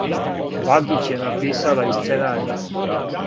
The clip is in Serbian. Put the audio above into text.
Багић је написала и сценарио.